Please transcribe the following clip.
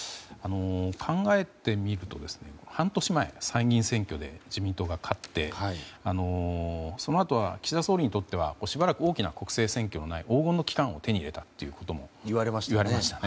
考えてみると半年前、参議院選挙で自民党が勝ってそのあとは岸田総理にとってはしばらく大きな国政選挙のない黄金の期間を手に入れたと言われましたよね。